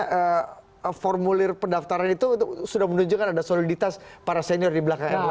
kembalikan apa namanya formulir pendaftaran itu sudah menunjukkan ada soliditas para senior di belakang erlangga